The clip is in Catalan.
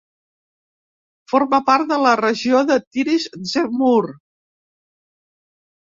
Forma part de la regió de Tiris Zemmour.